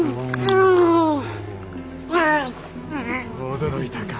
驚いたか。